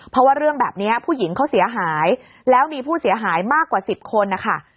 เพราะว่าเรื่องแบบนี้ผู้หญิงเขาเสียหายแล้วมีผู้เสียหายมากกว่า๑๐คนนะคะ